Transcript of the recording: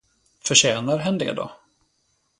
Förtjänar hen det då?